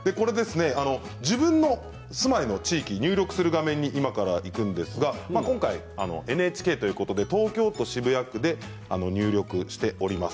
自分の住まいの地域を入力する画面になるんですがＮＨＫということで東京都渋谷区で入力しております。